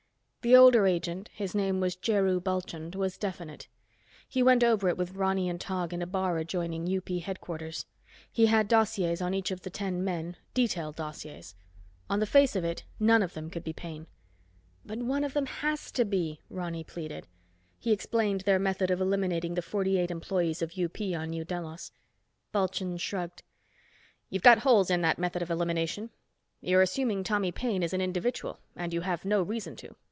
The older agent, his name was Jheru Bulchand, was definite. He went over it with Ronny and Tog in a bar adjoining UP headquarters. He had dossiers on each of the ten men, detailed dossiers. On the face of it, none of them could be Paine. "But one of them has to be," Ronny pleaded. He explained their method of eliminating the forty eight employees of UP on New Delos. Bulchand shrugged. "You've got holes in that method of elimination. You're assuming Tommy Paine is an individual, and you have no reason to.